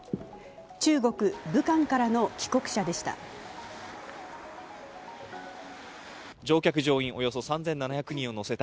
中国・武漢からの帰国者でした。